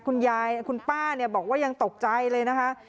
คุณยายคุณป้าเนี่ยบอกว่ายังตกใจเลยนะคะ